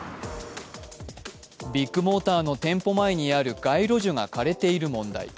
ビッグモーターの店舗前にある街路樹が枯れている問題。